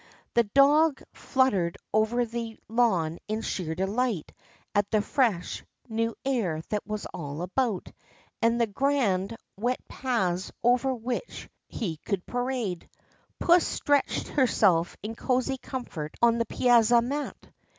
The dog fluttered over the lawn in sheer delight at the fresh, new air that was all about, and the grand, wet paths over which he could parade. Puss stretched herself in cosy comfort on the piazza mat.